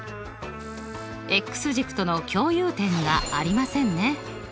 軸との共有点がありませんね。